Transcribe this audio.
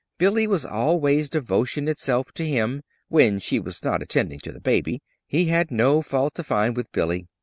Billy was always devotion itself to him when she was not attending to the baby; he had no fault to find with Billy.